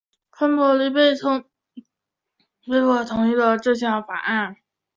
亨利被迫同意了这项法案。